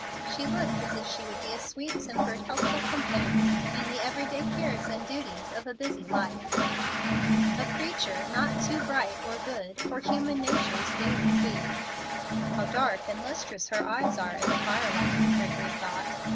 She looked as if she would be a sweet tempered, helpful companion, in the every day cares and duties of a busy life: "A creature not too bright or good For human nature's daily food." "How dark and lustrous her eyes are in the firelight!" Gregory thought.